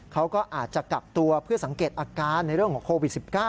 เขาก็อาจจะกักตัวเพื่อสังเกตอาการในเรื่องของโควิด๑๙